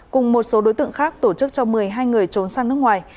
cùng một số đối tượng khác tổ chức cho một mươi hai người trốn sang nước ngoài